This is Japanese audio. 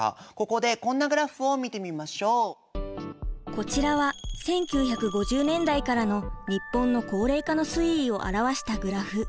こちらは１９５０年代からの日本の高齢化の推移を表したグラフ。